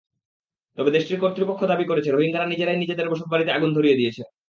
তবে দেশটির কর্তৃপক্ষ দাবি করেছে, রোহিঙ্গারা নিজেরাই নিজেদের বসতবাড়িতে আগুন ধরিয়ে দিয়েছে।